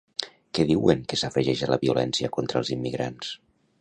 Què diuen que s'afegeix a la violència contra els immigrants?